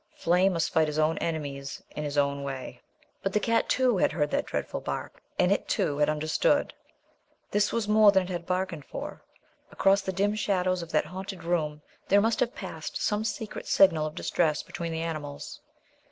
Flame must fight his own enemies in his own way. But the cat, too, had heard that dreadful bark; and it, too, had understood. This was more than it had bargained for. Across the dim shadows of that haunted room there must have passed some secret signal of distress between the animals.